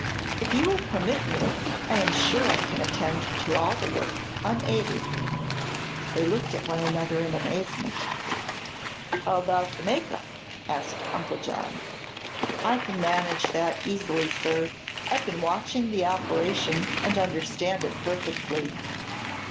If you will permit me, I am sure I can attend to all the work, unaided." They looked at one another in amazement. "How about the make up?" asked Uncle John. "I can manage that easily, sir. I've been watching the operation and understand it perfectly."